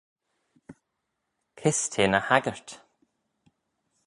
Kys t'eh ny haggyrt?